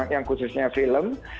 yang khususnya film